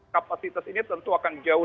kapasitas ini tentu akan jauh